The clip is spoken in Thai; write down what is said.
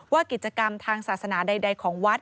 ว่ากิจกรรมทางศาสนาใดของวัด